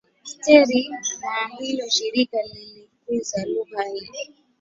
Streere na ndilo Shirika lililokuza lugha hii